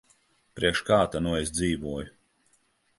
Priekš kā ta nu es dzīvoju.